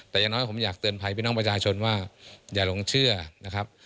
แต่อย่างน้อยผมอยากเตือนภัยพี่น้องประชาชนว่าอย่าหลงเชื่อนะครับ